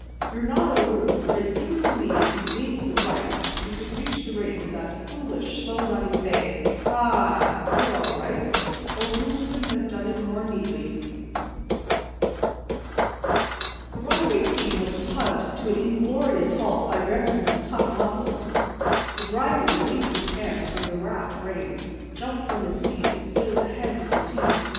You're not O'Roon, but it seems to me if you'd lean to the right you could reach the reins of that foolish slow running bay—ah! you're all right; O'Roon couldn't have done it more neatly!" The runaway team was tugged to an inglorious halt by Remsen's tough muscles. The driver released his hands from the wrapped reins, jumped from his seat and stood at the heads of the team.